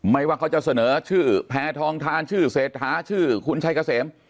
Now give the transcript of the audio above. ว่าเขาจะเสนอชื่อแพทองทานชื่อเศรษฐาชื่อคุณชัยเกษม